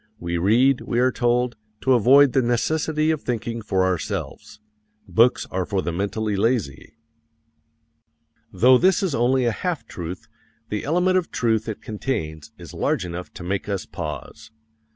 We read, we are told, to avoid the necessity of thinking for ourselves. Books are for the mentally lazy. Though this is only a half truth, the element of truth it contains is large enough to make us pause.